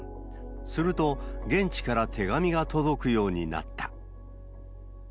すると、現地から手紙が届くようになった。